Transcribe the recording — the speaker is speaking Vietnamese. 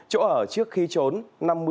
chỗ ở trước khi trốn